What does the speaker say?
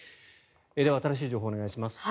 では、新しい情報をお願いします。